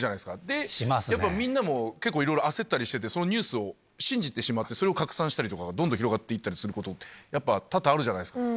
で、やっぱみんなも、結構いろいろ焦ったりしてて、そのニュースを信じてしまって、それを拡散したりとか、どんどん広がっていったりすること、やっぱ多々あるじゃないですか。